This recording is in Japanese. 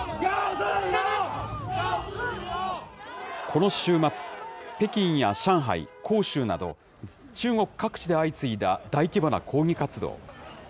この週末、北京や上海、広州など、中国各地で相次いだ大規模な抗議活動。